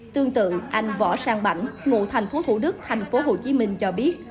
tương tự anh võ sang bảnh ngụ thành phố thủ đức thành phố hồ chí minh cho biết